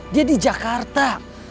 dia di jakarta